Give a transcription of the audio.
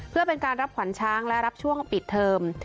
เพื่อเป็นการรับขวัญช้างและรับช่วงปิดเทอม